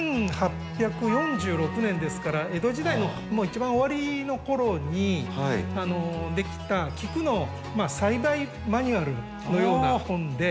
１８４６年ですから江戸時代のもう一番終わりの頃にできた菊の栽培マニュアルのような本で。